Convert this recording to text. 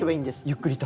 ゆっくりと。